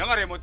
denger ya mut